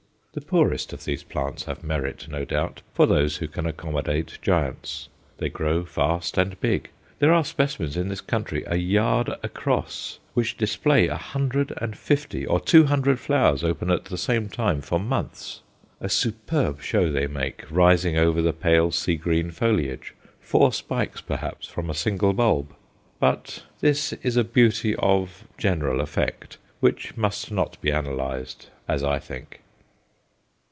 The poorest of these plants have merit, no doubt, for those who can accommodate giants. They grow fast and big. There are specimens in this country a yard across, which display a hundred and fifty or two hundred flowers open at the same time for months. A superb show they make, rising over the pale sea green foliage, four spikes perhaps from a single bulb. But this is a beauty of general effect, which must not be analyzed, as I think.